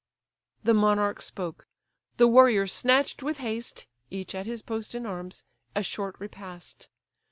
The monarch spoke: the warriors snatch'd with haste (Each at his post in arms) a short repast.